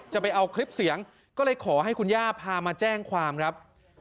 จะเอาคลิปเสียงก็เลยขอให้คุณย่าพามาแจ้งความครับ